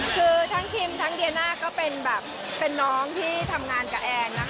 คือทั้งคิมทั้งเดียน่าก็เป็นแบบเป็นน้องที่ทำงานกับแอนนะคะ